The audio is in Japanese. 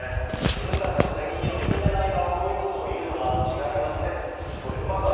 自分たちの責任を認めないまま、こういうことを言うのは違いますねと言っております。